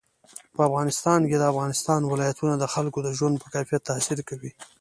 په افغانستان کې د افغانستان ولايتونه د خلکو د ژوند په کیفیت تاثیر کوي.